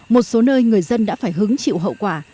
một số nơi người dân đã phải hứng chịu hậu quả